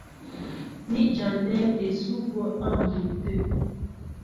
Ni jaŋɛ ísʉbɔ́ á mbə̌ tə̂.